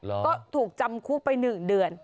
ก็ถูกจำคุกไปหนึ่งเดือน